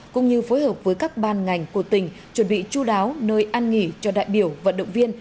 cũng như phối hợp với các ban ngành của tỉnh chuẩn bị chú đáo nơi ăn nghỉ cho đại biểu vận động viên